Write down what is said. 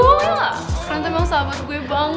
kalian tuh emang sahabat gue banget